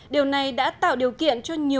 điều này đã tạo điều kiện cho các hãng hàng không